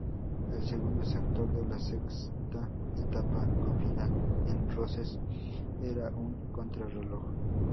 El segundo sector de la sexta etapa, con final en Roses, era un contrarreloj.